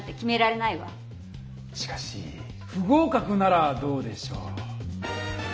しかし不合かくならどうでしょう？